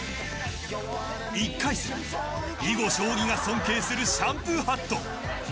１回戦、囲碁将棋が尊敬するシャンプーハット。